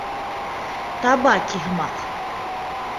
Табаки һымаҡ.